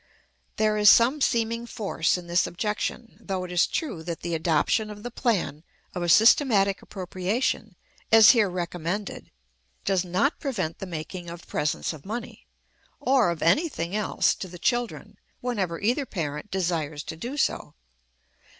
There is some seeming force in this objection, though it is true that the adoption of the plan of a systematic appropriation, as here recommended, does not prevent the making of presents of money, or of any thing else, to the children, whenever either parent desires to do so.